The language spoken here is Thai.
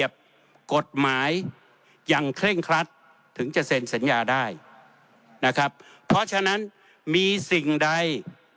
เพราะฉะนั้นมีสิ่งใด